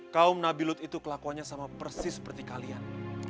kaum nabi lut itu kelakuannya sama persis seperti kalian